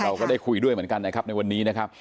เราก็ได้คุยด้วยเหมือนกันนะครับในวันนี้นะครับ